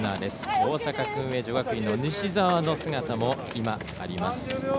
大阪薫英女学院の西澤の姿もあります。